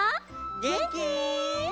げんき？